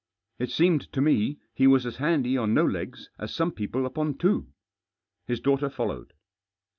It seeded to me he was as handy on fio legs as some people upon twp. His daughter followed.